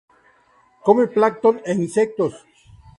Come plancton e insectos.